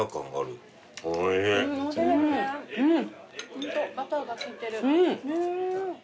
ホントバターが利いてる。